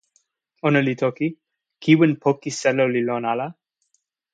"ona li toki: "kiwen poki selo li lon ala."